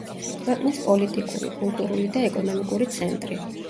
ქვეყნის პოლიტიკური, კულტურული და ეკონომიკური ცენტრი.